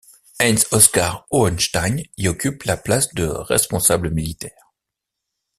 Heinz Oskar Hauenstein y occupe la place de responsable militaire.